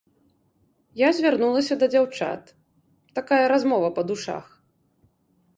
Я звярнулася да дзяўчат, такая размова па душах.